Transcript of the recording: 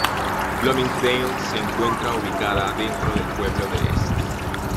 Bloomingdale se encuentra ubicada dentro del pueblo de St.